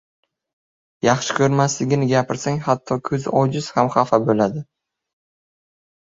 • Yaxshi ko‘rmasligini gapirsang hatto ko‘zi ojiz ham xafa bo‘ladi.